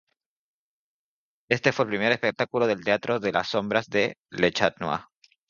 Este fue el primer espectáculo del Teatro de Sombras de "Le Chat Noir".